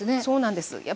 そうなんです。